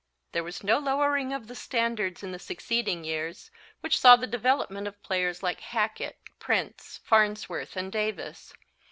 There was no lowering of the standards in the succeeding years, which saw the development of players like Hackett, Prince, Farnsworth and Davis.